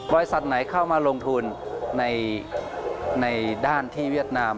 ไหนเข้ามาลงทุนในด้านที่เวียดนาม